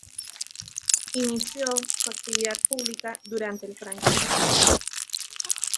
Inició su actividad pública durante el franquismo.